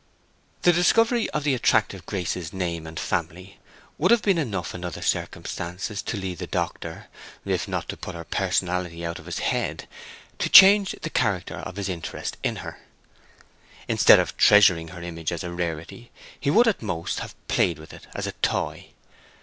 The discovery of the attractive Grace's name and family would have been enough in other circumstances to lead the doctor, if not to put her personality out of his head, to change the character of his interest in her. Instead of treasuring her image as a rarity, he would at most have played with it as a toy.